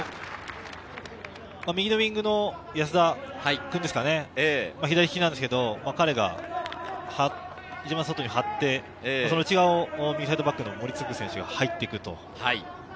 右のウイングの安田君ですかね、左利きなんですけれど、彼が張って、内側を右サイドバックの森次選手が入っていく。